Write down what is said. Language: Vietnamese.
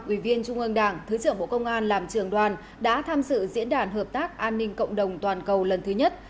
ủy viên trung ương đảng thứ trưởng bộ công an làm trường đoàn đã tham dự diễn đàn hợp tác an ninh cộng đồng toàn cầu lần thứ nhất